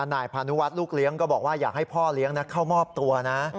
นายพานุวัฒน์ลูกเลี้ยงก็บอกว่าอยากให้พ่อเลี้ยงเข้ามอบตัวนะ